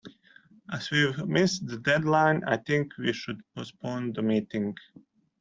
As we've missed the deadline, I think we should postpone the meeting.